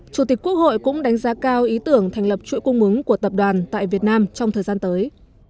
chủ tịch quốc hội cũng đánh giá cao ý tưởng thành lập chuỗi cung ứng của tập đoàn tại việt nam trong thời gian tới